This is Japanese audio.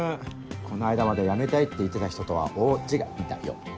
この間まで辞めたいって言ってた人とは大違いだよ。